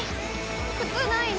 靴ないな。